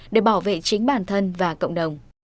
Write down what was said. để bảo vệ chính bản thân và cộng đồng